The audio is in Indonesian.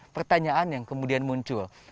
pertanyaan yang kemudian muncul